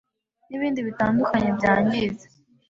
n’ibindi bitandukanye byangiza